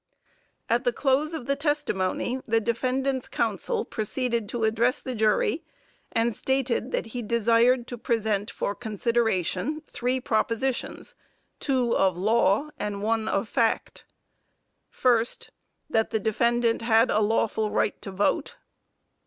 At the close of the testimony the defendant's counsel proceeded to address the jury, and stated that he desired to present for consideration three propositions, two of law and one of fact: First That the defendant had a lawful right to vote.